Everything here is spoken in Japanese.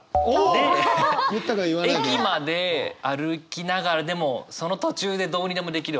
で駅まで歩きながらでもその途中でどうにでもできるわけですよね。